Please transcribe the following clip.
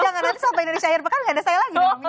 jangan nanti sampai dari syair pekan gak ada saya lagi